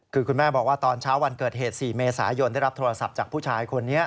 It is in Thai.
คือคุณแม่บอกว่าตอนเช้าวันเกิดเหตุ๔เมษายนได้รับโทรศัพท์จากผู้ชายคนนี้